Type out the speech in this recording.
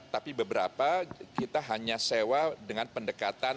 tapi beberapa kita hanya sewa dengan pendekatan